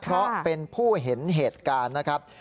เพราะเป็นผู้เห็นเหตุการณ์นะครับ